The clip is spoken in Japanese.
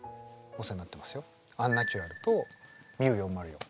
「アンナチュラル」と「ＭＩＵ４０４」。